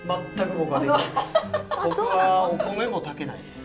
僕はお米も炊けないです。